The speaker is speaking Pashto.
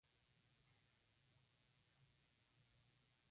د وګړو د ژوند په کیفیت کې ښه والی راشي.